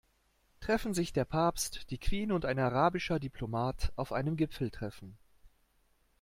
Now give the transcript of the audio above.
Treffen sich der Papst, die Queen und ein arabischer Diplomat auf einem Gipfeltreffen.